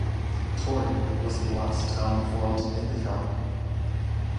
Torrey was the last town formed in the county.